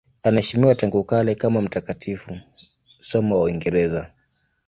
Anaheshimiwa tangu kale kama mtakatifu, somo wa Uingereza.